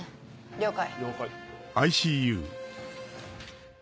了解。